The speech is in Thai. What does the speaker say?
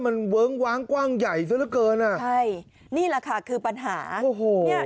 มันเวิ้งว้างกว้างใหญ่ซะละเกินอ่ะใช่นี่แหละค่ะคือปัญหาโอ้โหเนี้ย